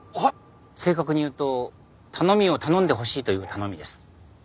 正確に言うと頼みを頼んでほしいという頼みです。